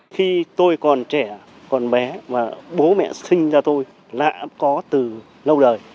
khi tôi còn trẻ còn bé và bố mẹ sinh ra tôi đã có từ lâu đời